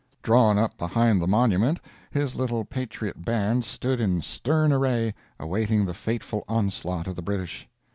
Drawn up behind the monument, his little patriot band stood in stern array awaiting the fateful onslaught of the British.